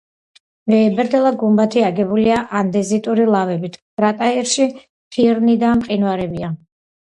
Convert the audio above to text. ვეებერთელა გუმბათი აგებულია ანდეზიტური ლავებით, კრატერში ფირნი და მყინვარებია.